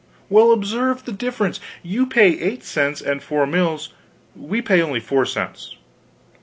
"Well, observe the difference: you pay eight cents and four mills, we pay only four cents."